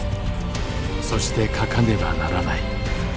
そして書かねばならない。